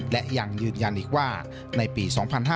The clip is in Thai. และยังยืนยันอีกว่าในปี๒๕๕๙